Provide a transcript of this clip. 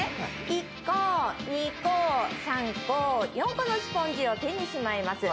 １個、２個、３個、４個のスポンジを手にしまいます。